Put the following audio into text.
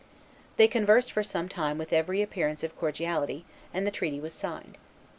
They conversed for some time with every appearance of cordiality; and then the treaty was signed.